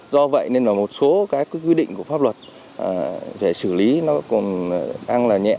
do vậy nên là một số các quy định của pháp luật để xử lý nó còn đang là nhẹ